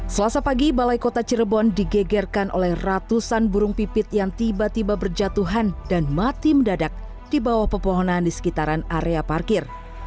selasa pagi balai kota cirebon digegerkan oleh ratusan burung pipit yang tiba tiba berjatuhan dan mati mendadak di bawah pepohonan di sekitaran area parkir